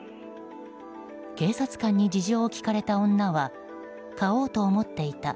警察官に事情を聴かれた女は買おうと思っていた。